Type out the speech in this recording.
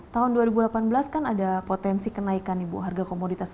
tahun dua ribu delapan belas kan ada potensi kenaikan ibu harga komoditas